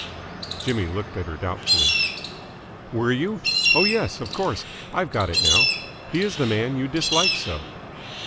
Jimmy looked at her doubtfully. "Were you? Oh yes, of course. I've got it now. He is the man you dislike so."